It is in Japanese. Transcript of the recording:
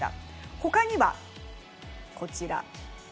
他には、こちら。